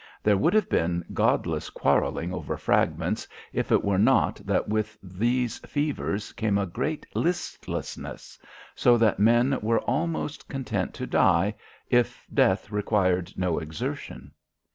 There would have been godless quarreling over fragments if it were not that with these fevers came a great listlessness, so that men were almost content to die, if death required no exertion.